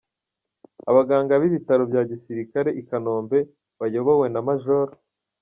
Abaganga b’Ibitaro bya Gisirikare i Kanombe, bayobowe na Maj.